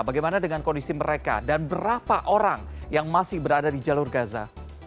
bagaimana dengan kondisi mereka dan berapa orang yang masih berada di jalur gaza